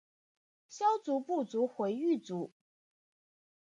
萧族部族回鹘裔。